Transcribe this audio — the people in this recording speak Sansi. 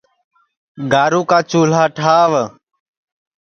گارُو کا چُولھا ٹھاوَ